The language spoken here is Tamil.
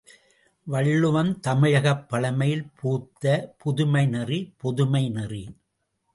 வள்ளுவம் தமிழகப் பழமையில் பூத்த புதுமைநெறி பொதுமை நெறி.